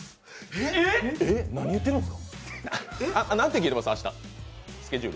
えっ、何言ってるんですか。